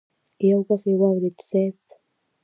يو ږغ يې واورېد: صېب!